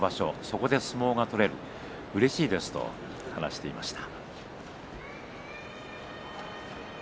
ここで相撲が取れるうれしいですと話していました。